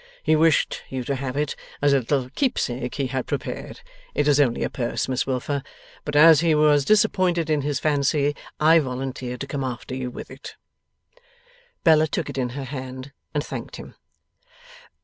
He wished you to have it, as a little keepsake he had prepared it is only a purse, Miss Wilfer but as he was disappointed in his fancy, I volunteered to come after you with it.' Bella took it in her hand, and thanked him.